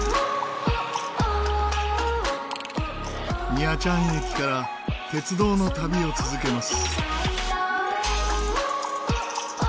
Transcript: ニャチャン駅から鉄道の旅を続けます。